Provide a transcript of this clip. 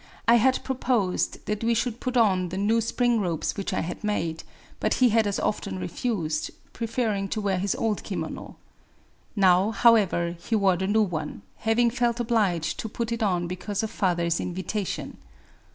Digitized by Googk A WOMAN'S DIARY loi on the new spring robes which I had made ; but he had as often refused, — preferring to wear his old kimono, ' Now, however, he wore the new one, — having felt obliged to put it on because of father's invitation.